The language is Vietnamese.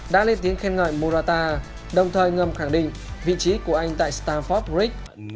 đã lên tiếng khen ngợi murata đồng thời ngầm khẳng định vị trí của anh tại stamford bridge